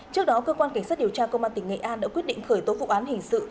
trước đó cơ quan cảnh sát điều tra công an tỉnh nghệ an đã quyết định khởi tố vụ án hình sự